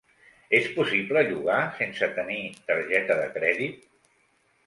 Es possible llogar sense tenir targeta de crèdit?